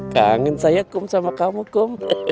kangen saya kum sama kamu kum